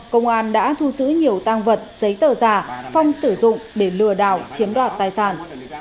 công an đã thu giữ nhiều tăng vật giấy tờ giả phong sử dụng để lừa đảo chiếm đoạt tài sản